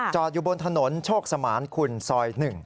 อยู่บนถนนโชคสมานคุณซอย๑